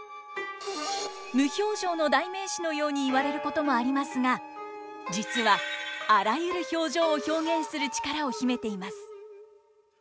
無表情の代名詞のように言われることもありますが実はあらゆる表情を表現する力を秘めています。